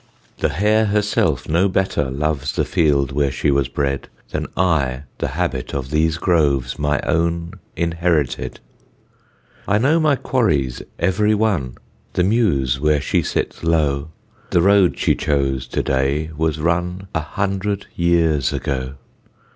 The hare herself no better loves The field where she was bred, Than I the habit of these groves, My own inherited. I know my quarries every one, The meuse where she sits low; The road she chose to day was run A hundred years ago.